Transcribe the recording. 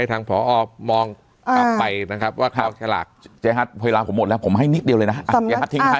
ให้ทางพอมองลงมันไปครับว่าเจ๊ฮัตใจเหล้าผมหมดแล้วผมให้นิดเดียวเลยนะครับ